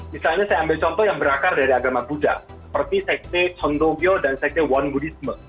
misalnya saya ambil contoh yang berakar dari agama buddha seperti sekte chon do gyo dan sekte won buddhisme